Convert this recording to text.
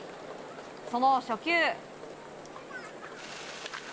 その初球。